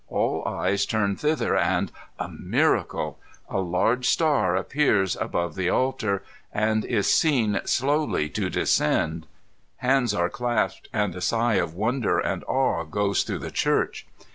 All eyes turn thither, and — a miradel — a large star appears above the altar, and is seen slowly to descend. Hands are clasped, and a sigh of wonder and awe goes through the church.